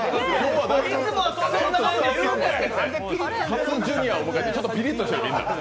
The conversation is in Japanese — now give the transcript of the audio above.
初ジュニアを迎えて、ちょっとピリッとしています。